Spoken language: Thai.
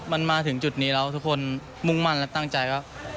มันมาถึงจุดนี้แล้วทุกคนมุ่งมั่นและตั้งใจว่า